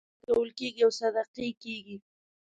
نذرانې ورکول کېږي او صدقې کېږي.